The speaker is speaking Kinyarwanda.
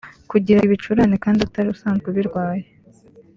kugira ibicurane kandi utari usazwe ubirwaye